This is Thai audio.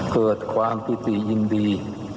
เผิดความพิธียินดี